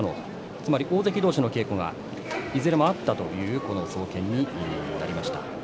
つまり大関同士の稽古がいずれもあったというこの稽古総見になりました。